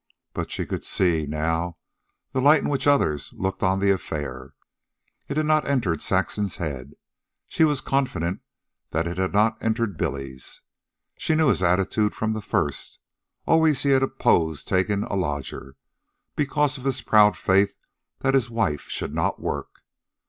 But she could see, now, the light in which others looked on the affair. It had not entered Saxon's head. She was confident that it had not entered Billy's. She knew his attitude from the first. Always he had opposed taking a lodger because of his proud faith that his wife should not work.